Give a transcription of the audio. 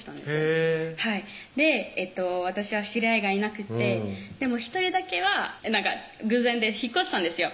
へぇ私は知り合いがいなくてでも１人だけは偶然で引っ越したんですよ